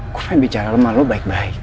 gue pengen bicara sama lo baik baik